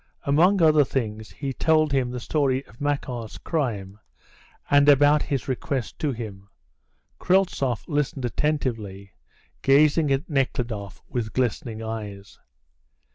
Among other things he told him the story of Makar's crime and about his request to him. Kryltzoff listened attentively, gazing at Nekhludoff with glistening eyes.